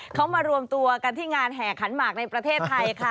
เขามารวมตัวกันที่งานแห่ขันหมากในประเทศไทยค่ะ